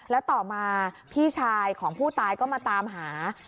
แล้วต่อมาพี่ชายของผู้ตายก็มาตามหา